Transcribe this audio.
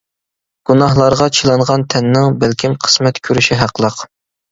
گۇناھلارغا چىلانغان تەننىڭ، بەلكىم قىسمەت كۆرۈشى ھەقلىق.